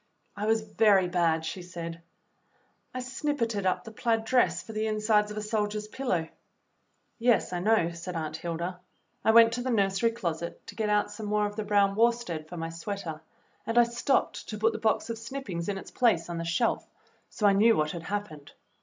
"I was very bad," she said. "I snippited up the plaid dress for the insides of a soldier's pillow." "Yes, I know," said Aunt Hilda. "I went to the nursery closet to get some more of the brown worsted for my sweater, and I stopped to put the box of snip pings in its place on the shelf, so I knew what had happened.